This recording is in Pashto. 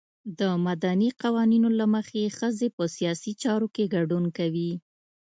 د مدني قوانینو له مخې ښځې په سیاسي چارو کې ګډون کوي.